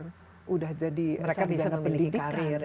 yang sudah jadi seharga pendidikan